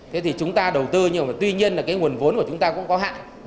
thế thì chúng ta đầu tư nhưng mà tuy nhiên là cái nguồn vốn của chúng ta cũng có hạn